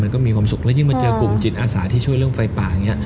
มันก็มีความสุขยิ่งมันเจอกลุ่มจิตอาสาที่ช่วยเรื่องไฟป่า